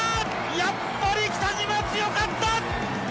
やっぱり北島強かった。